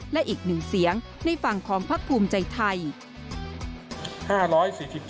และอีกหนึ่งเสียงในฝั่งของพักภูมิใจไทย